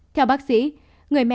theo bác sĩ người mẹ